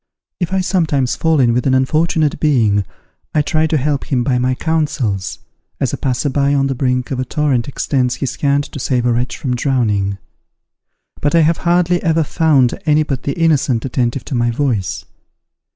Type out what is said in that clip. If I sometimes fall in with an unfortunate being, I try to help him by my counsels, as a passer by on the brink of a torrent extends his hand to save a wretch from drowning. But I have hardly ever found any but the innocent attentive to my voice.